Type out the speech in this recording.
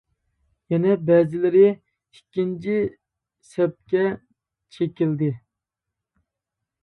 يەنە بەزىلىرى ئىككىنچى سەپكە چېكىلدى.